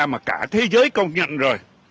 mà cả thế giới công nhận rồi